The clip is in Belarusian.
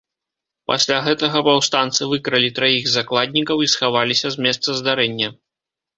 Пасля гэтага паўстанцы выкралі траіх закладнікаў і схаваліся з месца здарэння.